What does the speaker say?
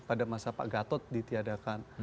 pada masa pak gatot ditiadakan